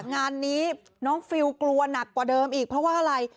งานนี้น้องฟิลกลัวหนักกว่าเดิมอีกเพราะว่าอะไร